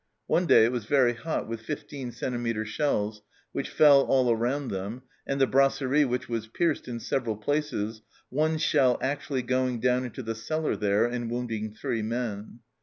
One day it was very hot with 15 centimetre shells, which fell all around them and the brasserie, which was pierced in several places, one shell actually going down into the cellar there and wounding three men.